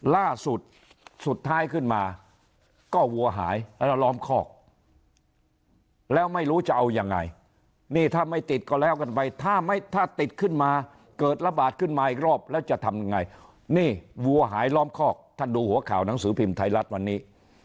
ล่าสุดสุดท้ายขึ้นมาก็วัวหายแล้วล้อมคอกแล้วไม่รู้จะเอายังไงนี่ถ้าไม่ติดก็แล้วกันไปถ้าไม่ถ้าติดขึ้นมาเกิดระบาดขึ้นมาอีกรอบแล้วจะทำยังไงนี่วัวหายล้อมคอกท่านดูหัวข่าวหนังสือพิมพ์ไทยรัฐวันนี้